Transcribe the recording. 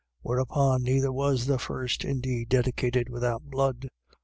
9:18. Whereupon neither was the first indeed dedicated without blood.